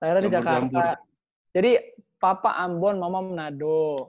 lahirnya di jakarta jadi papa ambon mama menado